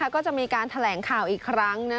ก็จะมีการแถลงข่าวอีกครั้ง